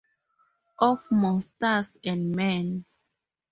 Of Monsters and Men